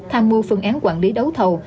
tham mưu phương án quản lý đấu thầu